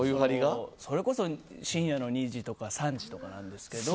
それこそ深夜の２時とか３時とかなんですけど。